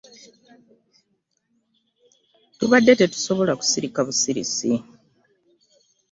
Tubadde tetusobola kusirika busirisi.